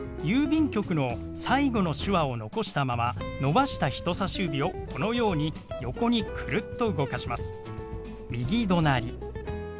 「郵便局」の最後の手話を残したまま伸ばした人さし指をこのように横にクルッと動かします。